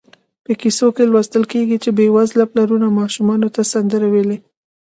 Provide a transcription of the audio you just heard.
په کیسو کې لوستل کېږي چې بېوزله پلرونو ماشومانو ته سندرې ویلې.